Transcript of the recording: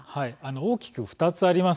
大きく２つあります。